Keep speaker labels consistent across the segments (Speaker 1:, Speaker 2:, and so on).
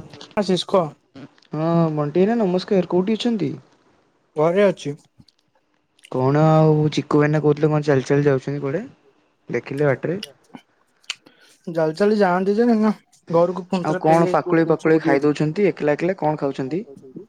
Speaker 1: Hello. Ashish କହ
Speaker 2: ହଁ ବଣ୍ଟି ଆଇନା ନମସ୍କାର କୋଉଠି ଅଛନ୍ତି?
Speaker 1: ଘରେ ଅଛି।
Speaker 2: କଣ ଆଉ ଚିକୁ ଭାଇନା କହୁଥିଲେ, କଣ ଚାଲି ଚାଲି ଯାଉଛନ୍ତି କୁଆଡେ? ଦେଖିଲେ ଆଟ୍ ରେ?
Speaker 1: ଜଲ ଚାଲି ଜାଆନ୍ତି ଯେ ଘରକୁ ଫୁଣି
Speaker 2: ଆଉ
Speaker 1: ଥରେ
Speaker 2: କଣ
Speaker 1: ଫେରି ଯାଇ କୋଉଠି
Speaker 2: ପାକୁଳେଇ
Speaker 1: ବୁଲ୍ ଚ
Speaker 2: ପାକୁଳେଇ
Speaker 1: ବୁଡି
Speaker 2: ଖାଇ
Speaker 1: ଯାଇଥିଲି
Speaker 2: ଦଉଛନ୍ତି ଏକଲା ଏକଲା
Speaker 1: ସେ
Speaker 2: ଖାଉଛନ୍ତି?
Speaker 1: କଣ କହୁଛନ୍ତି?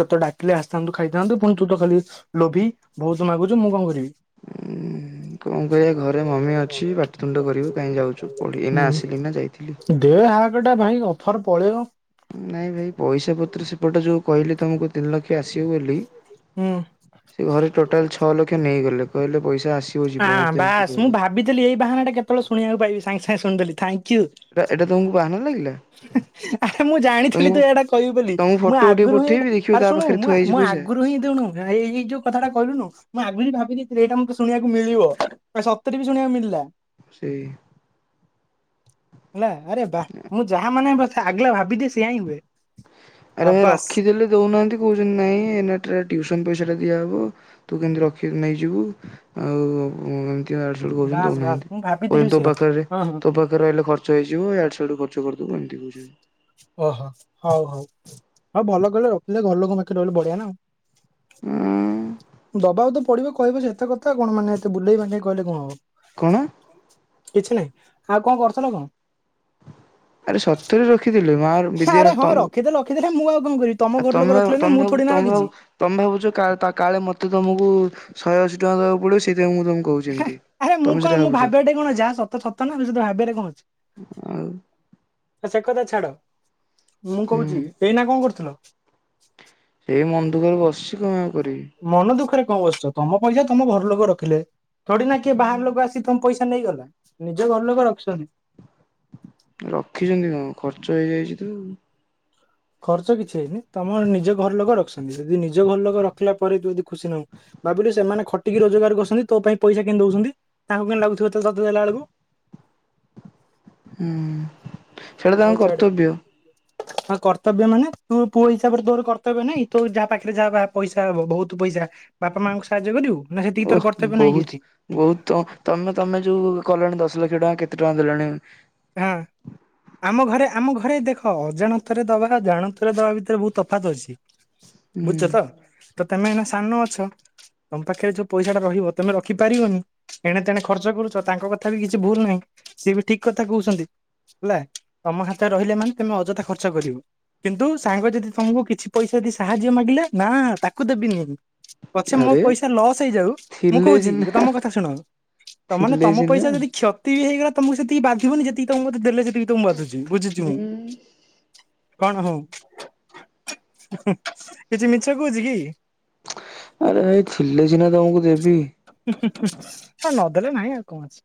Speaker 1: ତ ଡାକିଲେ ଆସିଥାନ୍ତୁ, ଖାଇଥାନ୍ତୁ। ପୁଣି ତୁ ତ ଖାଲି ଲୋଭି ବହୁତ ମାଗୁଛୁ। ମୁଁ କଣ କରିବି?
Speaker 2: କଣ କରିବା? ଘରେ ମାମି ଅଛି। ପାଟିିତୁଣ୍ଡ କରିବ। କାହିଁ ଯାଉଛୁ। ପଢି ଏଇନା ଆସିଲି ନା ଯାଇଥିଲି।
Speaker 1: ହୁଁ ଦେ ହଁ ଗୋଟା ଭାଇ ଅଫର ପଳେଇବ।
Speaker 2: ନାଇଁ ଭାଇ ପଇସା ପତ୍ର ସେପଟେ ଯୋଉ କହିଲି ତମକୁ ତିନିଲକ୍ଷ ଆସିବ ବୋଲି
Speaker 1: ହୁଁ
Speaker 2: ସେ ଘରେ ଟୋଟାଲ୍ ଛ ଲକ୍ଷ ନେଇଗଲେ। କହିଲେ ପଇସା ଆସିବ ଯିବ
Speaker 1: ଆଁ
Speaker 2: ମତେ ଏମିତି
Speaker 1: ବାସ୍। ମୁଁ
Speaker 2: କହିଲେ।
Speaker 1: ଭାବିଥିଲି ଏଇ ବାହାନାଟା କେତେବେଳେ ଶୁଣିବାକୁ ପାଇବି। ସାଙ୍ଗେ ସାଙ୍ଗେ ଶୁଣିଦେଲି। ଥ୍ଯାଙ୍କ୍-
Speaker 2: ଏ ଏଇଟା ତମକୁ ବାହାନା ଲାଗିଲା?
Speaker 1: ହେଁ ଆରେ ମୁଁ ଜାଣିଥିଲି
Speaker 2: ତମକୁ
Speaker 1: ତୁ ଏଇଟା କହିବୁ ବୋଲି।
Speaker 2: ତମକୁ
Speaker 1: ମୁଁ
Speaker 2: ଫଟୋ ଉଠେଇ
Speaker 1: ଆଗରୁ ହିଁ
Speaker 2: ପଠେଇବି
Speaker 1: ଏଟା
Speaker 2: ଦେଖିବ ତା
Speaker 1: ଆରେ ଶୁଣ
Speaker 2: ପାଖରେ ଥୁଆ
Speaker 1: ମୁଁଁ
Speaker 2: ହେଇଛି
Speaker 1: ମୁଁ
Speaker 2: ପଇସା
Speaker 1: ଆଗୁ- ହଁ ଇଁ ଦେଉନୁ ଏଇ ଏଇ ଯୋଉ କଥାଟା କହିଲୁନୁ ମୁଁ ଆଗୁରୁ ହିଁ ଭାବିଦେଇ- ଏଇଟା ମତେ ଶୁଣିବାକୁ ମିଳିବ, ସତରେ ବି ଶୁଣିବାକୁ ମିଳିଲା।
Speaker 2: ସେଇ-
Speaker 1: ହେଲା ଆରେ ବାଃ। ମୁଁ ଯାହା ମାନଙ୍କ ଆଗଲା ଭାବିଦିଏ, ସେଇଆ ହିଁ ହୁଏ।
Speaker 2: ଆରେ
Speaker 1: ସାବାସ୍।
Speaker 2: ରଖିଦେଲେ ଦଉନାହାନ୍ତି କହୁଛନ୍ତି ନାଇଁ ଏମାଟରେ ଟିଉସନ୍ ପଇସା ଟା ଦିଆହବ? ତୁ କେମିତି ରଖ୍ କି ନେଇଯିବୁ ଆଉ ଛନ୍ତିହା
Speaker 1: ବାସ୍ ବାସ୍ ମୁଁ ଭାବିଥିଲି
Speaker 2: କଛନ୍ତି
Speaker 1: ବି
Speaker 2: ତୋ
Speaker 1: ସେଇଆ
Speaker 2: ପାଖରେ
Speaker 1: ହଁ ହଁ
Speaker 2: ତୋ ପାଖରେଲେ ଖର୍ଚ୍ଚ ହେଇଯିବଡ ଖର୍ଚ୍ଚ କରିଦବୁ ଏମିତି କହୁଛନ୍ତି
Speaker 1: ଓହୋ ହଉ ହଉ। ହଉ ଭଲ କହିଲେ ରଖିଲେ ଘର ଲୋକଙ୍କ ପାଖରେ ରହିଲେ ବଢ଼ିଆ ନା
Speaker 2: ଉଁ
Speaker 1: ଆଉ। ଦବାକୁ ତ ପଡିବ କହିବ ଯେ ଏତେ କଥା କଣ ମାନେ ଏତେ ବୁଲେଇ ବଙ୍କେଇ କହିଲେ କଣ ହବ?
Speaker 2: କଣ?
Speaker 1: କିଛି ନାହିଁ। ଆଉ କଣ କରୁଥିଲ କଣ?
Speaker 2: ଆରେ ସତରେ ରଖିଥିଲି ମାଆ
Speaker 1: ଆରେ ହଁ ରଖିଦେଲେ ରଖିଦଲେ ମୁଁ ଆଉ କଣ କରିବି ତମ
Speaker 2: ଆ
Speaker 1: ଘର ଲୋକ
Speaker 2: ତମେ
Speaker 1: ରଖିଲେ ନା ମୁଁ
Speaker 2: ତମେ
Speaker 1: ଥୋଡି ନା
Speaker 2: ତମେ
Speaker 1: ରଖିଛି।
Speaker 2: ତମେ ଭାବୁଛ କାଳେ ମତେ ତମକୁ ଶହେ ଅଶୀ ଟଙ୍କା ଦେବାକୁ ପଡ଼ିବ ସେଇଥିପାଇଁ ମୁଁ ତମକୁ କହୁଛି ଏମତି।
Speaker 1: ଆରେ ମୁଁ କଣ ମୁଁ ଭାବିବା ଠାରେ କଣ ଅଛି ଯାହା ସତ ସତ ନା ସତ ଭାବିବା ଠାରେ କଣ ଅଛି।
Speaker 2: ଆଉ
Speaker 1: ଆରେ ସେ କଥା ଛାଡ। ମୁଁ
Speaker 2: ହୁଁ
Speaker 1: କହୁଛି ଏଇନା କଣ କରୁଥିଲ? ମନ ଦୁଃଖରେ ବସିଛି ଆଉ। ମନ ଦୁଃଖରେ କଣ ବସିଛ ତମ ପଇସା ତମ ଘର ଲୋକ ରଖିଲେ ଥୋଡି ନା କିଏ ବାହାର ଲୋକ ଆସି ତମ ପଇସା ନେଇଗଲା ନିଜ ଘର ଲୋକ ରଖିଛନ୍ତି।
Speaker 2: ରଖିଛନ୍ତି କଣ ଖର୍ଚ୍ଚ ହେଇଯାଇଛି ତ।
Speaker 1: ଖର୍ଚ୍ଚ କିଛି ହେଇନି ତମର ନିଜ ଘର ଲୋକ ରଖୁଛନ୍ତି ଯଦି ନିଜ ଘର ଲୋକ ରଖିଲା ପରେ ତୁ ଯଦି ଖୁସି ନାହୁଁ ଭାବିଲୁ ସେମାନେ ଖଟିକି ରୋଜଗାର କରୁଛନ୍ତି ତୋ ପାଇଁ ପଇସା କେମିତି ଦଉଛନ୍ତି ତାଙ୍କୁ କେମିତି ଲାଗୁଥିବ ତୋତେ ଦେଲା ବେଳକୁ?
Speaker 2: ହୁଁ ସେଇଟା
Speaker 1: ହଉ
Speaker 2: ତାଙ୍କ
Speaker 1: ଛାଡେ।
Speaker 2: କର୍ତ୍ତବ୍ୟ।
Speaker 1: ହଁ କର୍ତ୍ତବ୍ୟ ମାନେ? ତୁ ପୁଅ ହିସାବରେ ତୋର କର୍ତ୍ତବ୍ୟ ନାଇଁ? ତୋ ଯାହା ପାଖରେ ଯାହା ପଇସ ହବ ବହୁତ ପଇସା ବାପା ମାଆଙ୍କୁ ସାହାଯ୍ୟ କରିବୁ? ନା ସେତିକି ତୋର
Speaker 2: ଓହୋଃ
Speaker 1: କର୍ତ୍ତବ୍ୟ ନାହିଁ
Speaker 2: ବହୁତ
Speaker 1: କିଛି
Speaker 2: ବହୁତ ତ ତମେ ତମେ ଯୋଉ କଲାଣି ଦଶ ଲକ୍ଷ ଟଙ୍କା କେତେ ଟଙ୍କା ଦେଲାଣି?
Speaker 1: ହଁ। ଆମ ଘରେ ଆମ ଘରେ ଦେଖ ଅଜାଣତରେ ଦବା ଜାଣତରେ ଦବା ଭିତରେ ବହୁତ ତଫାତ ଅଛି। ବୁଝଛ ତ ତ ତମେ ଏ ସାନ ଅଛ ତମ ପାଖରେ ଯୋଉ ପଇସା ଟା ରହିବ ତମେ ରଖିପାରିବନି ଏଣେ ତେଣେ ଖର୍ଚ୍ଚ କରୁଛ ତାଙ୍କ କଥା ବି କିଛି ଭୁଲ ନାହିଁ। ସିଏ ବି ଠିକ କଥା କହୁଛନ୍ତି ହେଲା ତମ ହାତରେ ରହିଲେ ମାନେ ତମେ ଅଯଥା ଖର୍ଚ୍ଚ କରିବ। କିନ୍ତୁ ସାଙ୍ଗ ଯଦି ତମକୁ କିଛି ପଇସା ଦେଇ ସାହାଯ୍ୟ ମାଗିଲେ ନା ତାକୁ ଦେବିନି ପଛେ ମୋ
Speaker 2: ଆରେ
Speaker 1: ପଇସା ଲସ୍ ହେଇଯାଉ ମୁଁ
Speaker 2: ଥିଲେ
Speaker 1: କହୁଛି
Speaker 2: ସିନା
Speaker 1: ତମେ ମୋ କଥା ଶୁଣ ତ ମାନେ
Speaker 2: ଥିଲେ
Speaker 1: ତମ
Speaker 2: ସିନା
Speaker 1: ପଇସା ଯଦି କ୍ଷ ତି ହେଇଗଲା ତମକୁ ସେତିକି ବାଧିବନି ଯେତିକି ତମେ ମତେ ଦେଲେ ସେତିକି ତମକୁ ବାଧୁଛି ବୁଝୁଛି ମୁଁ। କଣ ହଉ? କିଛି ମିଛ କହୁଛି କି?
Speaker 2: ଆରେ ଭାଇ ଥିଲେ ସିନା ତମକୁ ଦେବି।
Speaker 1: ହ ନଦେଲେ ନାହିଁ ଆଉ କଣ ଅଛି।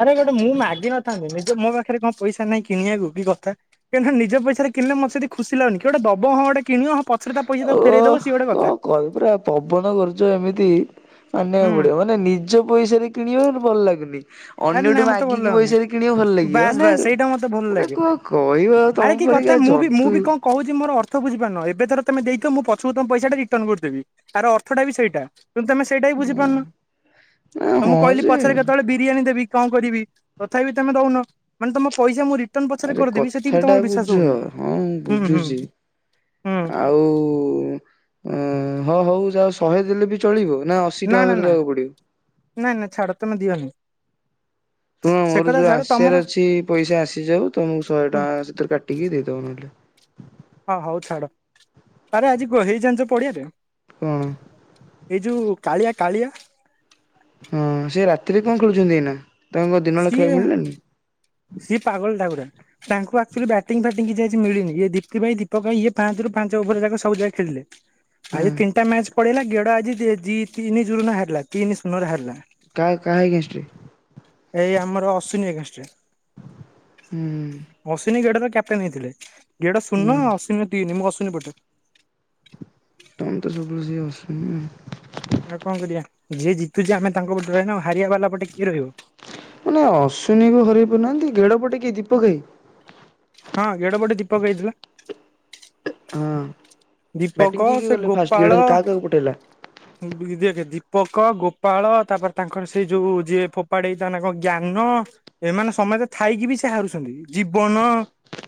Speaker 1: ଆରେ ଗୋଟେ ମୁଁ ମାଗିନଥାନ୍ତି ନିଜ ମୋ ପାଖରେ କଣ ପଇସା ନାହିଁ କିଣିବାକୁ କି କଥା କିନ୍ତୁ ନିଜ ପଇସାରେ କିଣିଲେ ମତେ ସେତିକି ଖୁସି ଲାଗୁିନି କିଏ ଗୋଟେ ଦବ ହଁ ଗୋଟେ କିଣିବ ହଁ ପଛରେ ତା ପଇସା ତାକୁ ଫେରେଇ ଦବ
Speaker 2: ଓଃ
Speaker 1: ସିଏ ଗୋଟେ
Speaker 2: କଣ
Speaker 1: କଥା।
Speaker 2: କହିବ ପୁରା ପବନ କରୁଛ ଏମିତି?
Speaker 1: ହୁଁ
Speaker 2: ମାନିବାକୁ ପଡ଼ିବ ମାନେ ନିଜ ପଇସାରେ କିଣିବାକୁ ଭଲ ଲାଗୁନି।
Speaker 1: ଆରେ ନା
Speaker 2: ଅନ୍ୟଠୁ
Speaker 1: ମତେ ଭଲ
Speaker 2: ମାଗିକି
Speaker 1: ଲାଗୁନି
Speaker 2: ପଇସାରେ କିଣିବା ଭଲ ଲାଗିବ
Speaker 1: ବାସ୍
Speaker 2: ମାନେ
Speaker 1: ବାସ୍ ସେଇଟା ମତେ ଭଲ
Speaker 2: ମାନେ
Speaker 1: ଲାଗେ।
Speaker 2: କଣ କହିବ ଆଉ
Speaker 1: ଆରେ କି
Speaker 2: ତମକୁ।
Speaker 1: କଥା ମୁଁ ବି ମୁଁ ବି କଣ କହୁଛି ମୋର ଅର୍ଥ ବୁଝିପାରୁନ ଏବେ ଥରେ ତମେ ଦେଇଥିବ ମୁଁ ପଛକୁ ତମ ପଇସା ଟା ରିଟର୍ନ କରିଦେବି ତାର ଅର୍ଥଟା ବି ସେଇଟା। କିନ୍ତୁ ତମେ ସେଇଟା ହିଁ ବୁଝିପାରୁନ।
Speaker 2: ନା
Speaker 1: ତମକୁ
Speaker 2: ହଁ
Speaker 1: କହିଲି
Speaker 2: ଯେ
Speaker 1: ପଛରେ କେତେବେଳେ ବିରିୟାନୀ ଦେବି କଣ କରିବି ତଥାପି ତମେ ଦଉନ ମାନେ ତମ ପଇସା ମୁଁ ରିଟର୍ନ ପଛରେ
Speaker 2: ଆରେ
Speaker 1: କରିଦେବି ସେତିକି
Speaker 2: କଥା
Speaker 1: ବି
Speaker 2: ଟା
Speaker 1: ତମର ବିଶ୍ୱାସ
Speaker 2: ବୁଝ
Speaker 1: ହଉନି।
Speaker 2: ହଁ
Speaker 1: ହୁଁ ହୁଁ
Speaker 2: ବୁଝୁଛି
Speaker 1: ହୁଁ
Speaker 2: ଆଉ ଅ ହଁ ହଉ ଯହା ଶହେ ଦେଲେ ବି ଚଳିବ ନା ଅଶୀ ଟଙ୍କା
Speaker 1: ନା
Speaker 2: ଫେରେ
Speaker 1: ନା
Speaker 2: ଦେବାକୁ ପଡିବ?
Speaker 1: ନାଇଁ ନାଇଁ ଛାଡ ତମେ ଦିଅନି।
Speaker 2: ଶୁଣ
Speaker 1: ସେ
Speaker 2: ମୋର
Speaker 1: କଥା
Speaker 2: ଯୋଉ
Speaker 1: ଛାଡ ତମର
Speaker 2: ଆସିବାର ଅଛି ପଇସା ଆସିଯାଉ ତମକୁ ଶହେ
Speaker 1: ହୁଁ
Speaker 2: ଟଙ୍କା ସେଥିରେ କାଟିକି ଦେଇଦବ ନହେଲେ।
Speaker 1: ହଁ ହଉ ଛାଡ। ସାରେ ଆଜି ହେଇ ଜାଣିଚ ପଡିଆରେ।
Speaker 2: କଣ?
Speaker 1: ଏଇ ଯୋଉ କାଳିଆ କାଳିଆ
Speaker 2: ହଁ ସେ ରାତିରେ କଣ ଖେଳୁଛନ୍ତି ଏଇନା? ତାଙ୍କୁ କଣ ଦିନବେଳେ ଖେଳିବାକୁ
Speaker 1: ସିଏ
Speaker 2: ମିଳିଲାନି?
Speaker 1: ସିଏ ପାଗଳ ଟା ପୁରା। ତାଙ୍କୁ ଆକ୍ଟୁଆଲି ବ୍ୟାଟିଂ ଫାଟିଂ କିଛି ଆଜି ମିଳିନି। ଦୀପ୍ତି ଭାଇ ଦୀପକ ଭାଇ ଇଏ ପାଞ୍ଚରୁ ପାଞ୍ଚ ଓଭର ଯାକ ସବୁ ଯାକ ଖେଳିଲେ।
Speaker 2: ହଁ
Speaker 1: ଆଜି ତିନିଟା ମ୍ୟାଚ ପଳେଇଲା। ଗିଆଡ୍ ଆଜି ଜି ତିନି ଜୁରୁରେ ହାରିଲା ତିନି ସୁନରେ ହାରିଲା।
Speaker 2: କା କାହା ଏଗ୍ନେଷ୍ଟରେ?
Speaker 1: ଏଇ ଆମର ଅଶ୍ୱିନୀ ଏଗନେଷ୍ଟ ରେ।
Speaker 2: ହୁଁ
Speaker 1: ଅଶ୍ଵିନୀ ଗେଡରେ କ୍ୟାପଟେନ୍ ହେଇଥିଲେ। ଗେଡ୍ ରବଶୂନ
Speaker 2: ହୁଁ।
Speaker 1: ଅଶ୍ଵିନ ର ତିନି ମୁଁ ଅଶ୍ଵିନ ପଟେ।
Speaker 2: ତମେ ତ ସବୁବେଳେ ସେଇ ଅଶ୍ଵିନ।
Speaker 1: ଆଉ କଣ କରିବା ଯିଏ ଜିତୁଛି ଆମେ ତାଙ୍କ ପଟେ ରହିବା ନା। ହାରିବା ବାଲା ପଟେ କିଏ ରହିବ।
Speaker 2: ମାନେ ଅଶ୍ୱିନ କୁ ହରେଇ ପାରୁନାହାନ୍ତି। ଗେଡ ପଟେ କିଏ ଦୀପକ୍ ଭାଇ।
Speaker 1: ହଁ ଗେଡ଼ ପଟେ ଦୀପକ ଭାଇ ଥିଲା।
Speaker 2: ହଁ। ବ୍ୟାଟିଂ
Speaker 1: ଦୀପକ
Speaker 2: କିଏ କିଏ
Speaker 1: ସେ
Speaker 2: କଲେ ଫାଷ୍ଟ ଗିଡ
Speaker 1: ଗୋପାଳ।
Speaker 2: କାହା କାହାକୁ ପଠେଇଲା?
Speaker 1: [unintelligible] ଦିପକ, ଗୋପାଳ ତାପରେ ତାଙ୍କର ସେଇ ଯୋଉ ଯିଏ ଫୋପାଡେ ଯିଏ ତା ନା କଣ ଜ୍ଞାନ ଏମାନେ ସମସ୍ତେ ଥାଇକି ବି ସେ ହାରୁଛନ୍ତି। ଜୀବନ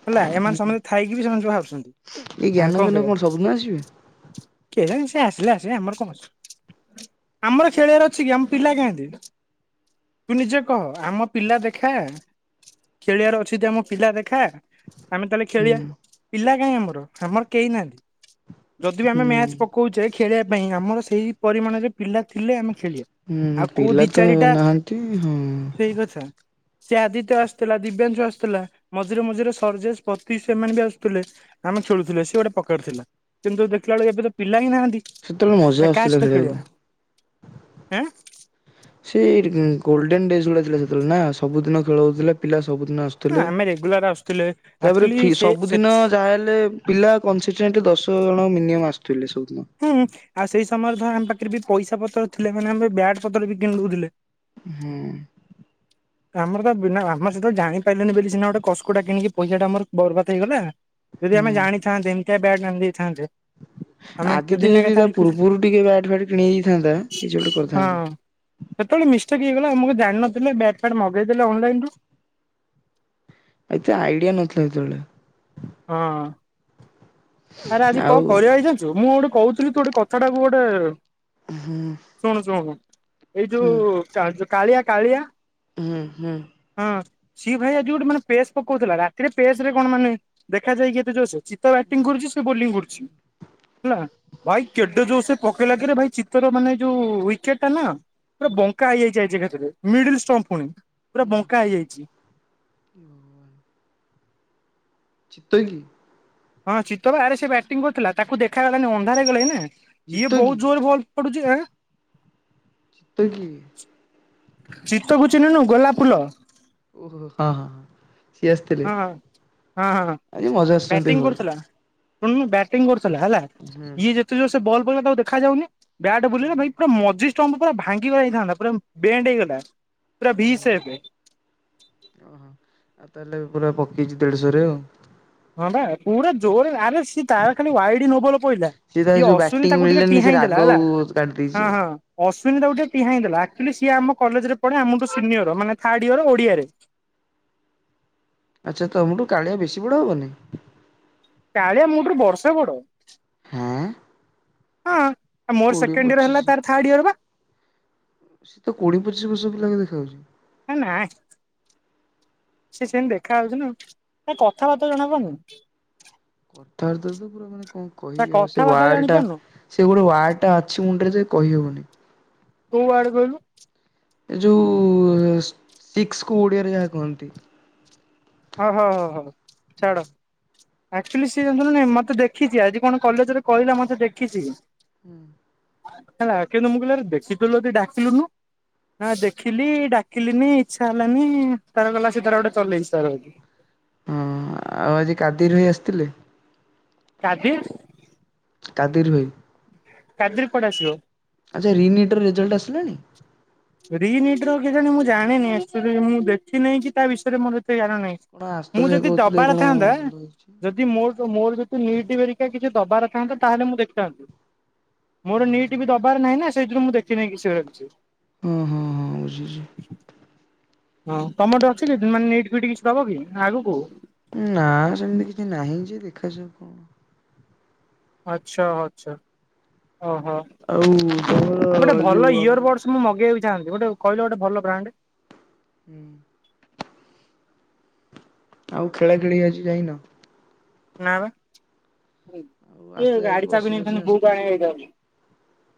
Speaker 1: ହେଲା ଏମାନେ ସମସ୍ତେ ଥାଇକି ବି ସେମାନେ ହାରୁଛନ୍ତି।
Speaker 2: ଏଇ
Speaker 1: କଣ
Speaker 2: ଜ୍ଞାନ ଫାନ
Speaker 1: କହିବା?
Speaker 2: [inaudible]
Speaker 1: କେଜାଣି ସେ ଆସିଲେ ଆସିଲେ ଆମର କଣ ଅଛି। ଆମର ଖେଳିବାର ଅଛି କି ଆମ ପିଲା କାହାନ୍ତି? ତୁ ନିଜେ କହ ଆମ ପିଲା ଦେଖା ଖେଳିବାର ଅଛି ଯେ ଆମ ପିଲା ଦେଖା। ଆମେ ତାହେଲେ
Speaker 2: ହୁଁ
Speaker 1: ଖେଳିବା। ପିଲା କାଇଁ ଆମର ଆମର କେହି ନାହାନ୍ତି। ଯଦି ବି ଆମେ
Speaker 2: ହୁଁ।
Speaker 1: ମ୍ୟାଚ ପକଉଛେ ଖେଳିବା ପାଇଁ ଆମର ସେଇ ପରିମାଣରେ ପିଲା ଥିଲେ ଆମେ ଖେଳିବା। ଆଉ
Speaker 2: ହୁଁ
Speaker 1: କୋଉ
Speaker 2: ପିଲା
Speaker 1: ଦି
Speaker 2: ତ
Speaker 1: ଚାରିଟା,
Speaker 2: ନାହାନ୍ତି ହଁ
Speaker 1: ସେଇ କଥା। ସେ ଆଦିତ୍ୟ ଆସିଥିଲା। ଦିବ୍ୟାଂଶୁ ଆସୁଥିଲା। ମଝିରେ ମଝିରେ ସର୍ଜେଶ ପତି ସେମାନେ ବି ଆସୁଥିଲେ। ଆମେ ଖେଳୁଥିଲେ ସେ ଗୋଟେ ପ୍ରକାର ଥିଲା। କିନ୍ତୁ ଦେଖିଲା ବେଳେ ଏବେ ତ ପିଲା ହିଁ ନାହାନ୍ତି।
Speaker 2: ସେତେବେଳେ ମଜା
Speaker 1: କାହା
Speaker 2: ଆସୁଥିଲା
Speaker 1: ସହିତ
Speaker 2: ଖେଳିବାକୁ।
Speaker 1: ଖେଳିବା? ଆଁ।
Speaker 2: ସେଇ ଗୋଲଡେନ ଡେଜ ଗୁଡା ଥିଲା ସେତେବେଳେ ନା ସବୁଦିନ ଖେଳ ହଉଥିଲା ପିଲା ସ ସବୁଦିନ
Speaker 1: ହଁ
Speaker 2: ଆସୁଥିଲେ।
Speaker 1: ଆମେ ରେଗୁଲାର ଆସୁଥିଲେ।
Speaker 2: ତାପରେ
Speaker 1: ଆକ୍ଚୁଆଲି ସେ ସେ
Speaker 2: ସବୁଦିନ ଯାହା ହେଲେ ପିଲା କନସିଟେଣ୍ଟ ଦଶ୍ ଜଣ ମିନିମମ୍ ଆସୁଥିଲେ ସବୁ।
Speaker 1: ହୁଁ, ଆଉ ସେଇ ସମୟରେ ଧର ଆମ ପାଖରେ ବି ପଇସା ପତ୍ର ଥିଲେ ମାନେ ଆମେ ବ୍ୟାଟ୍ ପତ୍ର ବି କିଣୁଦେଉଥିଲେ।
Speaker 2: ହୁଁ।
Speaker 1: ଆମର ତ ବିନା ଆମର ସେଟା ଜାଣିପାରିଲେନି ବୋଲି ସିନା କସ୍କୋଟା କିଣିକି ପଇସା ଟା ଆମର ବରବାଦ ହେଇଗଲା। ଯଦି ଆମେ
Speaker 2: ହୁଁ।
Speaker 1: ଜାଣିଥାନ୍ତେ ଏମିତିଆ ବ୍ୟାଟ୍ ଆଣି ଦେଇଥାନ୍ତେ ଆମେ
Speaker 2: [inaudible] ଆଦିତ୍ୟ
Speaker 1: ଦିନେ
Speaker 2: ଯଦି
Speaker 1: କଥା
Speaker 2: ତା
Speaker 1: ହଁ
Speaker 2: ପୂର୍ବରୁ ଟିକେ ବ୍ୟାଟ ଫାଟ୍ କିଣି ଦେଇଯାଇଥାନ୍ତା, କିଛି ଗୋଟେ କରିଥାନ୍ତା।
Speaker 1: ସେତେବେଳେ ମିଷ୍ଟେକ୍ ହେଇଗଲା ଆମକୁ ଜାଣିନଥିଲେ ବ୍ୟାଟ୍ ଫ୍ୟାଟ୍ ମଗେଇଦେଲେ ଅନଲାଇନ ରୁ
Speaker 2: ଏତେ ଆଇଡିଆ ନଥିଲା ସେତେବେଳେ।
Speaker 1: ହଁ। ଆରେ ଆଜି
Speaker 2: ଆଉ
Speaker 1: କଣ କରିବା ହେଇ ଜାଣିଛୁ। ମୁଁ ଗୋଟେ କହୁଥିଲି ତୁ ଗୋଟେ କଥାଟାକୁ ଗୋଟେ
Speaker 2: ହୁଁ
Speaker 1: ଶୁଣୁ ଶୁଣୁ ଏଇ
Speaker 2: ହୁଁ
Speaker 1: ଯୋଉ କାଳିଆ କାଳିଆ
Speaker 2: ହୁଁ ହୁଁ।
Speaker 1: ହଁ ସିଏ ଭାଇ ଆଜି ଗୋଟେ ମାନେ ପେସ୍ ପକଉଥିଲା। ରାତିରେ ପେସରେ କଣ ମାନେ ଦେଖାଯାଏ କି କେତେ ଜୋରସେ ଚତା ବ୍ୟାଟିଂ କରୁଛି ସେ ବୋଲିଂ କରୁଛି ହେଲା ଭାଇ କେଡେ ଯୋରସେ ପକେଇ କିରେ ଭାଇ ଚିତର ମାନେ ଯୋଉ ୱକେଟ ଟା ନା ପୁରା
Speaker 2: ହୁଁ
Speaker 1: ବଙ୍କା ହେଇଯାଇଛି ଆ କଥିରେ ମିଡଷ୍ଟ ପୁଣି ପୁରା ବଙ୍କା ହେଇଯାଇଛି।
Speaker 2: ଓ ଚିତ୍ତ କିଏ?
Speaker 1: ହଁ ଚିତ୍ ବା ଆରେ ସେ ବ୍ୟାଟିଂ କରିୁଥିଲା ତାକୁ ଦେଖାଗଲାଣିି ଅନ୍ଧାର ହେଇଗଲେ ନା ଇଏ
Speaker 2: ଚିତକି
Speaker 1: ବହୁତ ଜୋରରେ ବଲ
Speaker 2: ଚିତକି
Speaker 1: ଚିତକୁ ଚିହ୍ନନୁ? ଗୋଲା ଫୁଲ
Speaker 2: ଓହୋହୋ ହଁ ହଁ ହ। ସିଏ ଆସିଥିଲେ
Speaker 1: ହଁ ହଁ
Speaker 2: ଆଜି ମଜା ଆସୁଛନ୍ତି ଘରେ
Speaker 1: ଶୁଣ ବ୍ୟାଟିଂ କରୁଥିଲା ହେଲା ଇଏ ଯେତେ ଜୋର ସେ ବଲ୍ ପିଲଲା ତାକୁ ଦେଖାଯ ଯାଉନି ବ୍ୟାଟ ବୁଲିଲା ଭ
Speaker 2: ହୁଁ
Speaker 1: ପୁରା ମଝି ଷ୍ଟମ୍ ପୁର ଭାଙ୍ଗିାଇଥାନ୍ତା ପୁର ବେଣ୍ଡ ହେଇଗଲା। ପୁରା
Speaker 2: ହୁଁ
Speaker 1: ଭି
Speaker 2: ହୁଁ
Speaker 1: ସେପ୍।
Speaker 2: ହୁଁ ଓହୋ ଆ ତାହ ପୁରା ପକେଇଛି ଦେଢ଼ଶହରେ ଆଉ
Speaker 1: ହଁ ବା ପୁରା ଜୋରେ ଆରେ ସିଏ ତାର ଖାଲି ୱାଇଡି ନ ଭଲ ପଡିଲା
Speaker 2: ତା
Speaker 1: ସିଏ
Speaker 2: ଯୋଉ
Speaker 1: ଅଶ୍ୱଵିନୀ
Speaker 2: ବ୍ୟାଟିଂ
Speaker 1: ତାକୁ ଟିକେ
Speaker 2: ମିଳିଲାନି ସେ
Speaker 1: ଟିହାଇ
Speaker 2: ରାଗ
Speaker 1: ଦେଲା ହେଲା
Speaker 2: କାଢି ଦେଇଛି ଆଉ
Speaker 1: ହଁ ହଁ ସୁୁନି ତା ଗୋଟେ ଟିହା ହେଇ ଦେଲା ଆକ୍ଚୁଲି ସିଏ ଆମ କଲେଜରେ ପଢେମଠୁ ସିନିୟର ମାନେଥାର୍ଡ ୟର ଓଡ଼ିଆରେ
Speaker 2: ଆଚ୍ଛା ତମଠୁ କାଳିଆ ବେଶୀ ବଡ ହବନି?
Speaker 1: କାଳିଆ ମୋ ଠାରୁ ବର୍ଷେ ବଡ।
Speaker 2: ହଁ?
Speaker 1: ହଁ ମୋର ସେକେଣ୍ଡ ଇୟର ହେଲା ତାର ଥାର୍ଡ ଇୟର ବା।
Speaker 2: ସେ ତ କୋଡିଏ ପଚିଶ ବର୍ଷ ପ ଲାଗ ଦେଖାାଯାଉଛି।
Speaker 1: ହେ ନାଇଁ ସେ ସେମିତି ଦେଖା ହାଉଛି ନା କଥାବାର୍ତ୍ତା ଜଣାବନି
Speaker 2: ଥର ତର ତ ପୁରା ମାନେ କଣ କହିବି ଆଉ ସେ
Speaker 1: କଥାବାର୍ତ୍ତା
Speaker 2: ୱାର୍ ଟା
Speaker 1: ଜାଣିପାରୁନୁ
Speaker 2: ସେ ଗୋଟେ ୱାାର୍ ଟା ଅଛି ମୁଣ୍ଡରେ ଯେ କହିହବନି
Speaker 1: କୋଉ ଆଡକହିଲୁ?
Speaker 2: ଏ ଯୋଉ ଶିକ୍ସ କ ଓଡିଆରେ ଯାହା କୁହନ୍ତି?
Speaker 1: ହ ହୋ ହୋ ହୋ ଛାଡ। ଆକ୍ଚୁଆଲି ସିଏୁଁ ମତେ ଦେଖିଛି ଆଜି କଣ କଲେଜରେ କହିଲା ମତେ ଦେଖିଛି
Speaker 2: ହୁଁ।
Speaker 1: ହେ କେନ୍ତୁ ମୁଁ କହିରେ ଦେଖିଥିଲଥିଲ ଯଦି ଡାକିଲୁନି ନା ଦେଖିଲି ଡାକିଲିନି ଇଚ୍ଛା ହେଲାନି ତାର ଗଲା ସେ ତାର ଗୋଟେ ଚଲେଇଛି ତାର [inaudible]
Speaker 2: ହଁ ଆଉ ଆଜି କାଦିର ଭାଇ ଆସିଥିଲେ?
Speaker 1: କାଦିର?
Speaker 2: କାଦିର ଭାଇ।
Speaker 1: କଦିର କୁଆେଡ ଆସିବ।
Speaker 2: ଆଚ୍ଛା ରିନିଟ୍ର ରେଜଲ୍ଟ ଆସିଲାଣି?
Speaker 1: ଜଣ ମୁଁ ଜାଣିନି ମୁଁ ଦେଖିିନହିଁ କି ତା ବିଷୟରେ ମୋର ସେ ଜାଣ
Speaker 2: କଣ
Speaker 1: ନାହିଁ
Speaker 2: ଆଶୁତୋଷ
Speaker 1: ମୁଁ
Speaker 2: ଭାଇ
Speaker 1: ଯଦି
Speaker 2: କହୁଥିଲେ
Speaker 1: ଦବାର
Speaker 2: କଣ
Speaker 1: ଥାନ୍ତା
Speaker 2: ଭଲ ହେଇଛି।
Speaker 1: ଯଦି ମୋର ମୋର ଯଦି ନିଟ ବେରିକା କିଛି ଦବାରଥାନ୍ତା ତାହେଲେ ମୁଁ ଦେଖଥାନ୍ତି।
Speaker 2: ହଁ
Speaker 1: ମୋର ନିଟ ବି ଦବାର ନାହିଁ ନା ସେଇଥିରୁ ମୁଁ ଦେଖିନ କିଛି।
Speaker 2: ହଁ ହଁ ହଁ ବୁଝିଛି।
Speaker 1: ହଁ ତମର ଟଠେ ଅଛି ମାନେ ନିଟ୍ କିଛି ଦବ କି ଆଗକୁ?
Speaker 2: ନା ସେମିତି କିଛି ନାହିଁ ଯେ ଦେଖାଯାଉ କଣ
Speaker 1: ଆଚ୍ଛା ଆଛା। ଓହୋ
Speaker 2: ଆଉ ତମର
Speaker 1: ଗୋଟେ ଭଲ
Speaker 2: ଯୋଉ ଆମର
Speaker 1: ଇୟର ବଡସ ମୁଁ ମଗେଇଛି ଗୋଟେ କହିଲ ଗୋଟେ ଭଲ ବ୍ରାଣ୍ଡ।
Speaker 2: ହୁଁ। ଆଉ ଖେଳା ଖେଳି ଆଜି ଯାଇନ?
Speaker 1: ନା ବା
Speaker 2: ଆଉ
Speaker 1: ଟିକେ
Speaker 2: ଆସୁତ ଯାଇକି
Speaker 1: ଗାଡି ଚାବି
Speaker 2: ବସି ବସି
Speaker 1: ନେଇଥାନ୍ତି ବୋଉକୁ
Speaker 2: ଆସିଥିବ।
Speaker 1: ଆଣିବାକୁ ଯାଇଥାନ୍ତି।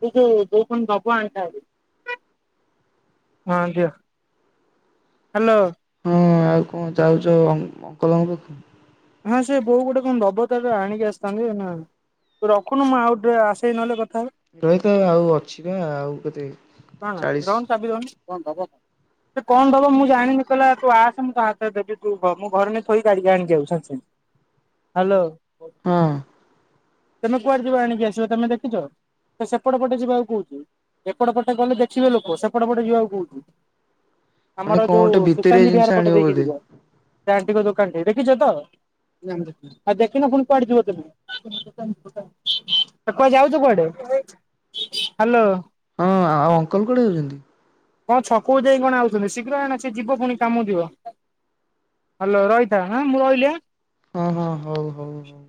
Speaker 1: ଏଇ ଯୋଉ ଦେଇ କଣ ଦବ ଆଣିଥାନ୍ତି। ହଁ [unintelligible] ହାଲୋ।
Speaker 2: ହଁ ଆଉ କଣ ଯାଉଛ ଅଙ୍କଲଙ୍କ ପାଖକୁ?
Speaker 1: ହଁ ସେ ବୋଉ ଗୋଟେ କଣ ଦବ [unintelligible] ଆଣିକି ଆସିଥାନ୍ତି ତୁ ରଖୁନୁ ମୁଁ ଆଉ ଟିକେ ଆସେଇଁ ନହେଲେ କ
Speaker 2: ରହିଥା ଆଉ ଅଛି ବା ଆଉ କେତେ
Speaker 1: କଣ
Speaker 2: ଚାଳିଶ
Speaker 1: ଦଉନୁ ଚାବି ଦଉନୁ କଣ ଟା କଣ ଟା। ସେ କଣ ଦବ ମୁଁ ଜାଣିନି କହିଲା ତୁ ଆସେ ମୁଁ ତୋ ହାତରେ ଦେବି ତୁ ମୁଁ ଘରେ ନେଇ ଥୋଇ ଗାଡିିକି ଆଣିକି ଆଉଚି ସାଙ୍ଗେ ସାଙ୍ଗେ। ହାଲୋ।
Speaker 2: ହଁ।
Speaker 1: ତମେ କୁଆଡେ ଯିବ ଆଣିକି ଆସିବ ତମେ ଦେଖିଚ ସେ ସେପଟ ପଟେ ଯିବାକୁ କହୁଚି ଏପଟ ପଟେ ଗଲେ ଦେଖିବେ ଲୋକ ସେପଟ ପଟେ ଯିବାକୁ କହୁଚି।
Speaker 2: ମାନେ
Speaker 1: ଆମର
Speaker 2: କଣ
Speaker 1: ଯୋଉ
Speaker 2: ଗୋଟେ ଭିତରିଆ
Speaker 1: ସୁଶାନ୍ତି
Speaker 2: ଜିନିଷ
Speaker 1: ବିହାର ପଟ
Speaker 2: ଆଣିବ
Speaker 1: ଦେଇକି
Speaker 2: ବୋଧେ
Speaker 1: ଯିବ ସେ ଆଣ୍ଟିଙ୍କ ଦୋକାନ ଟେ ଦେଖିଚ ତ? ନା ମୁଁ ଦେଖିନି ଆଉ ଦେଖିନ ପୁଣି କୁଆଡେ ଯିବ ତମେ କୁଆଡ଼େ ଯାଉଚ କୁଆଡେ? ହାଲୋ।
Speaker 2: ହଁ ଆଉ ଅଙ୍କଲ କୁଆଡେ ଯାଉଚନ୍ତି?
Speaker 1: କଣ ଛକକୁ ଯାଇ କଣ ଆଉଚନ୍ତି ଶୀଘ୍ର ଆଣ ସିଏ ଯିବ ପୁଣି କାମକୁ ଯିବ। ହାଲୋ ରହିତା ହାଁ ମୁଁ ରହିଲି ଆଁ।
Speaker 2: ହଁ ହଁ ହଉ ହଉ ହଉ।